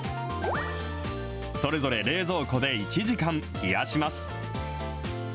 それぞれ冷蔵庫で１時間冷やします。